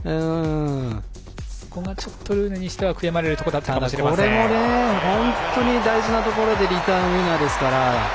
そこがちょっとルーネにしては悔やまれるところだったかも本当に大事なところでリターンウィナーですから。